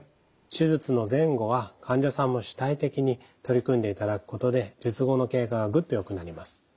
手術の前後は患者さんも主体的に取り組んでいただくことで術後の経過がぐっとよくなります。